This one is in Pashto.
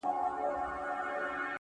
يو ليك!!